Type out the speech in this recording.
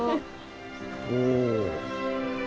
おお。